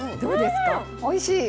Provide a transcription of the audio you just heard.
おいしい！